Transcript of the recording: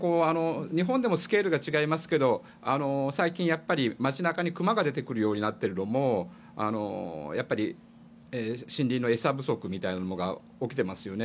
日本でもスケールが違いますけど最近やっぱり、街中に熊が出てくるようになっているのも森林の餌不足みたいなものが起きていますよね。